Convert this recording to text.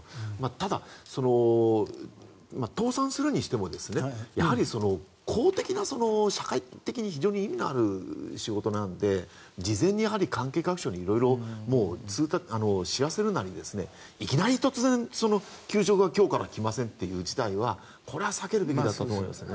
ただ、倒産するにしても公的な社会的に意味のある仕事なので事前に関係各所に色々通達、知らせるなりいきなり突然、給食が今日から来ませんという事態は避けるべきだったと思いますね。